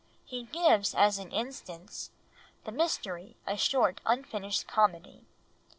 He gives as an instance "The Mystery, a short unfinished Comedy."